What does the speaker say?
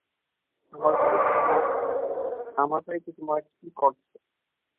আমার বাড়িতে তোমরা কী করছ?